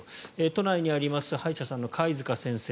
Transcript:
都内にあります歯医者さんの貝塚先生。